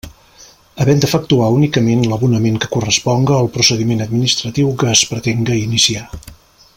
Havent d'efectuar únicament l'abonament que corresponga al procediment administratiu que es pretenga iniciar.